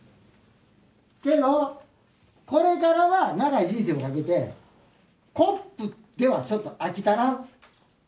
けどこれからは長い人生コップではちょっと飽き足らん。